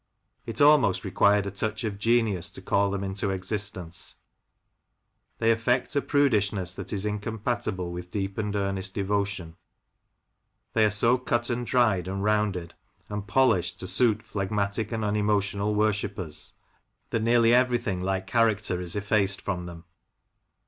It almost required a touch of genius to call them into existence. They affect a prudishness that is incompatible with deep and earnest devotion ; they are so cut and dried, and rounded, 58 Lancashire Characters and Places, and polished, to suit phlegmatic and unemcitional worshippers^ that nearly everything like character is effaced from them.